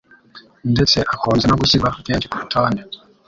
ndetse akunze no gushyirwa kenshi ku rutonde